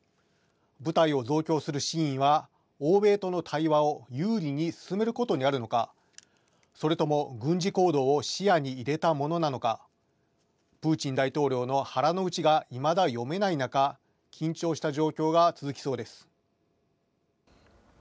部隊を増強する真意は欧米との対話を有利に進めることにあるのか、それとも軍事行動を視野に入れたものなのか、プーチン大統領の腹の内がいまだ読めない中、緊張した状況が続きそうです。